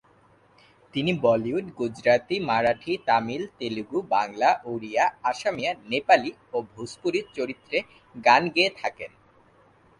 তিনি বলিউড, গুজরাতি, মারাঠি, তামিল, তেলুগু, বাংলা, ওড়িয়া, অসমীয়া, নেপালি ও ভোজপুরি চলচ্চিত্রের গান গেয়ে থাকেন।